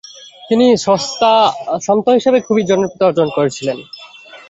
তিনি সন্ত হিসেবে খুবই জনপ্রিয়তা অর্জন করেছিলেন।